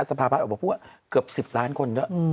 สภาพออกมาพูดว่าเกือบ๑๐ล้านคนด้วย